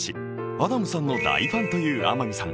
アダムさんの大ファンという天海さん。